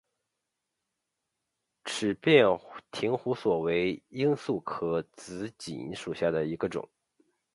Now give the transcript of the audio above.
齿瓣延胡索为罂粟科紫堇属下的一个种。